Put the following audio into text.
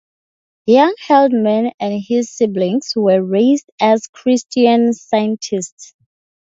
Young Haldeman and his siblings were raised as Christian Scientists.